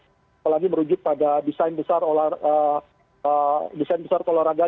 apalagi merujuk pada desain besar olahraga yang telah dibuat oleh paku